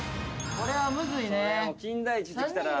これはむずいね